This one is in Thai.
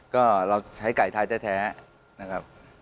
ก็เราใช้ไก่ไทยแท้นะครับ